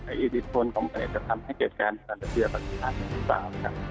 ว่าไออิทธิสโทรนของประเทศจะทำให้เกิดการณ์การประเทศปกติภาพหรือเปล่าครับ